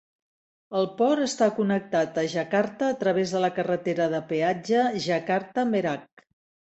El port està connectat a Jakarta a través de la carretera de peatge Jakarta-Merak.